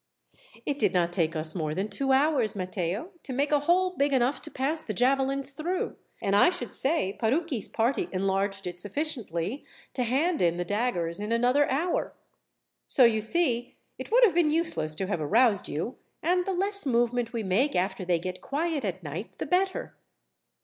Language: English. "It did not take us more than two hours, Matteo, to make a hole big enough to pass the javelins through, and I should say Parucchi's party enlarged it sufficiently to hand in the daggers in another hour; so you see, it would have been useless to have aroused you, and the less movement we make after they get quiet at night, the better."